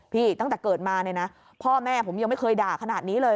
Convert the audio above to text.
ตั้งแต่เกิดมาเนี่ยนะพ่อแม่ผมยังไม่เคยด่าขนาดนี้เลย